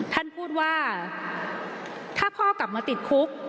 ท่านพูดว่าถ้าพ่อกลับมาติดคุก